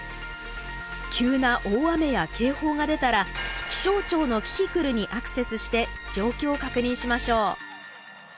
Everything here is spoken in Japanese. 急な大雨や警報が出たら気象庁のキキクルにアクセスして状況を確認しましょう！